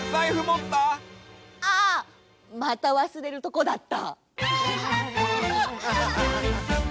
ああまたわすれるとこだった。